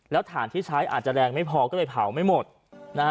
แล้วฐานที่ใช้อาจจะแรงไม่พอก็เลยเผาไม่หมดนะฮะ